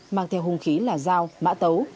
mang theo hung khí là dao mã tấu